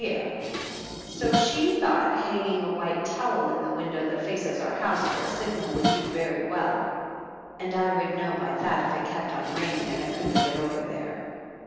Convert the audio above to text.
196 THE ANNALS OF ANN So she thought hanging a white towel in the window that faces our house for a signal would do very well, and I could know by that if it kept on raining and I couldn't get over there.